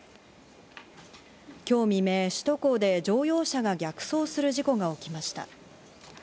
今日未明、首都高で乗用車が逆走する事故が起きました。